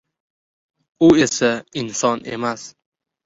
U esa inson emas!